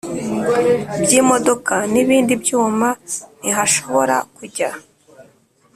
by imodoka n ibindi byuma ntihashobora kujya